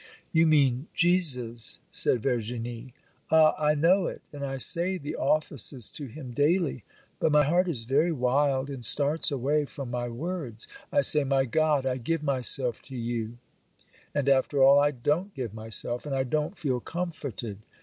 'You mean Jesus,' said Verginie. 'Ah, I know it; and I say the offices to him daily, but my heart is very wild and starts away from my words. I say, "My God, I give myself to you,"—and after all, I don't give myself, and I don't feel comforted.